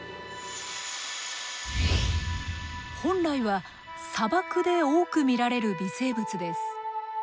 本来は砂漠で多く見られる微生物です。